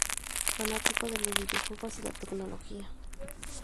Fanático de los videojuegos y la tecnología.